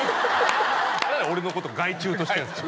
何で俺のこと害虫としてんすか